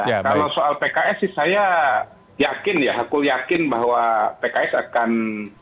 kalau soal pks sih saya yakin ya aku yakin bahwa pks akan